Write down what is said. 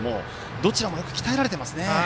どちらもよく鍛えられていますね。